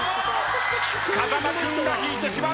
風間君が引いてしまう。